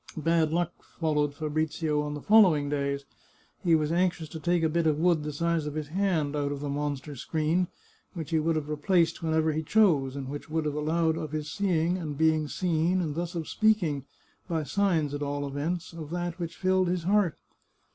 Bad luck followed Fabrizio on the following days. He was anxious to take a bit of wood the size of his hand out of the monster screen, which he would have replaced when ever he chose, and which would have allowed of his see ing and being seen, and thus of speaking, by signs at all events, of that which filled his heart.